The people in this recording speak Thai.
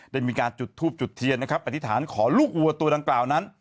ได้มีการจุดทูบจุดเทียนนะครับอธิษฐานขอลูกวัวตัวดังกล่าวนั้น